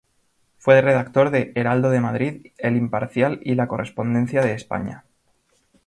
Fue redactor de "Heraldo de Madrid", "El Imparcial" y "La Correspondencia de España.